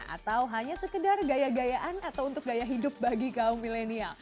atau hanya sekedar gaya gayaan atau untuk gaya hidup bagi kaum milenial